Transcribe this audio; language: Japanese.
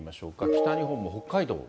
北日本も北海道。